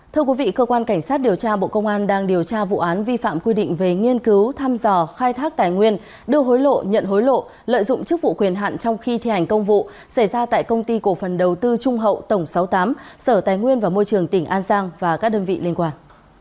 thưa quý vị cơ quan cảnh sát điều tra bộ công an đang điều tra vụ án vi phạm quy định về nghiên cứu thăm dò khai thác tài nguyên đưa hối lộ nhận hối lộ lợi dụng chức vụ quyền hạn trong khi thi hành công vụ xảy ra tại công ty cổ phần đầu tư trung hậu tổng sáu mươi tám sở tài nguyên và môi trường tỉnh an giang và các đơn vị liên quan